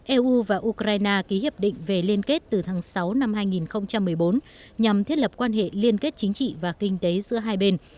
eu và ukraine ký hiệp định về liên kết từ tháng sáu năm hai nghìn một mươi bốn nhằm thiết lập quan hệ liên kết chính trị và kinh tế giữa hai bên